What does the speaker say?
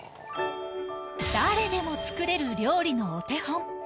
誰でも作れる料理のお手本。